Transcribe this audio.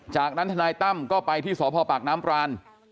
จากนั้นทนายตั้มก็ไปที่สพปากน้ำปราน